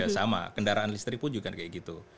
sama kendaraan listrik pun juga kayak gitu